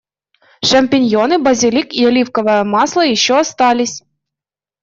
Шампиньоны, базилик, и оливковое масло ещё остались.